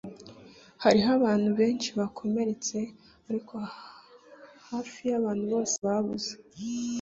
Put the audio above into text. Hariho abantu benshi bakomeretse ariko hafi yabantu bose babuze